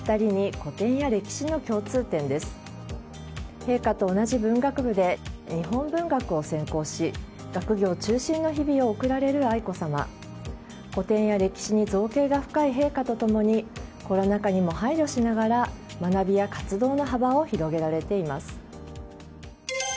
古典や歴史に造詣が深い陛下と共にコロナ禍にも配慮しながら学びや活動の幅を広げられています。